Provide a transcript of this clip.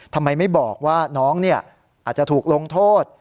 ทำไมไม่บอกว่าน้องอาจจะถูกลงโทษ